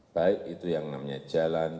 baik itu yang namanya jalan